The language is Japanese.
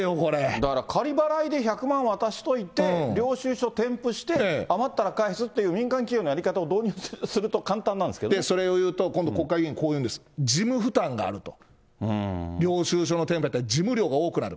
だから仮払いで１００万渡しといて、領収書添付して、余ったら返すっていう、民間企業のやり方を導入すると簡単なんですけどそれを言うと、今度国会議員、こう言うんです、事務負担があると、領収書の添付をやったら、事務量が多くなる。